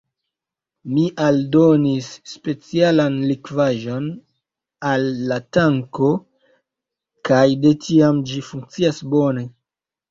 Mi aldonis specialan likvaĵon al la tanko, kaj de tiam ĝi funkcias bone.